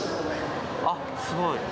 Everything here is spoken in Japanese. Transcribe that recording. あっすごい。